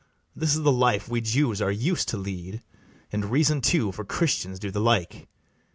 This is the life we Jews are us'd to lead; And reason too, for Christians do the like.